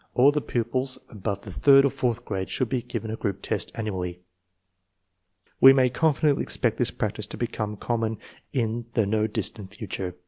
All the pupils above the third or fourth grade should be given a group test annually. We may confidently expect this practice to become common in the no distant future.